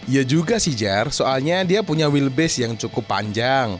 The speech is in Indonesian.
iya juga sih jar soalnya dia punya wheelbase yang cukup panjang